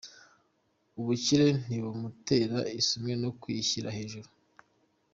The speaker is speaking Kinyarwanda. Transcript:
Ubukire ntibumutera isumbwe no kwishyira hejuru ;